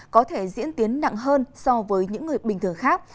có thể diễn tiến nặng hơn so với những người bình thường khác